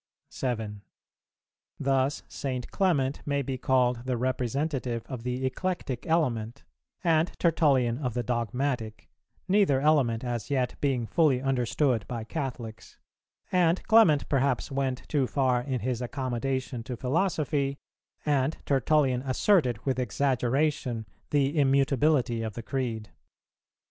7. Thus, St. Clement may be called the representative of the eclectic element, and Tertullian of the dogmatic, neither element as yet being fully understood by Catholics; and Clement perhaps went too far in his accommodation to philosophy, and Tertullian asserted with exaggeration the immutability of the Creed.